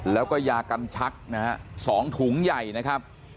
แล้วก็ยากันชักนะฮะ๒ถุงใหญ่นะครับ